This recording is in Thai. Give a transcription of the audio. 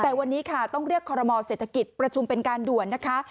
แต่วันนี้ค่ะต้องเรียกคอรมอเศรษฐกิจประชุมเป็นการด่วนนะคะ